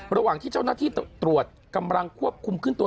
ระหว่างที่เจ้าหน้าที่ตรวจกำลังควบคุมขึ้นตัว